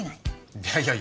いやいやいや。